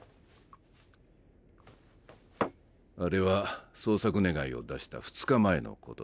あれは捜索願を出した２日前のことだ。